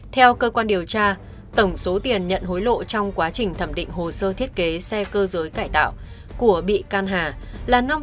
theo cơ quan điều tra tổng số tiền nhận hối lộ trong quá trình thẩm định hồ sơ thiết kế xe cơ giới cải tạo của bị can hà là năm sáu mươi năm tỷ đồng